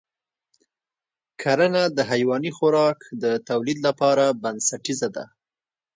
کرنه د حیواني خوراک د تولید لپاره بنسټیزه ده.